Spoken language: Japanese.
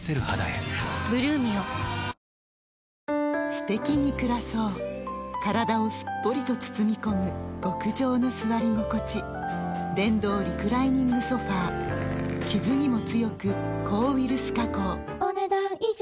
すてきに暮らそう体をすっぽりと包み込む極上の座り心地電動リクライニングソファ傷にも強く抗ウイルス加工お、ねだん以上。